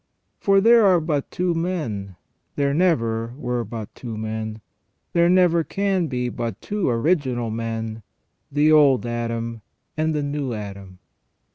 For there are but two men ; there never were but two men ; there never can be but two original men, the old Adam and the new Adam.